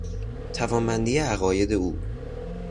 توانمندی عقاید او